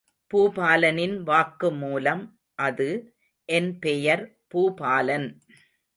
பூபாலனின் வாக்குமூலம் அது ... என் பெயர் பூபாலன்.